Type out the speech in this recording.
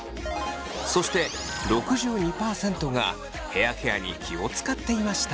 そして６２％がヘアケアに気を使っていました。